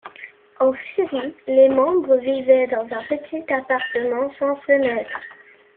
En Syrie, les membres vivaient dans un peti appartement sans fenêtres.